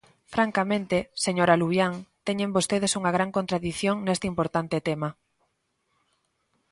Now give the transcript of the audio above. Francamente, señora Luvián, teñen vostedes unha gran contradición neste importante tema.